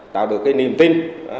tạo được niềm tin